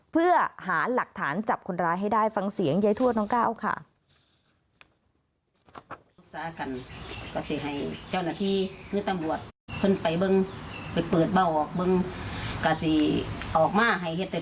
เพื่อหาหลักฐานจับคนร้ายให้ได้ฟังเสียงยายทวดน้องก้าวค่ะ